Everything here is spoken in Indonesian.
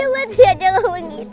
jangan jangan jangan ngomong gitu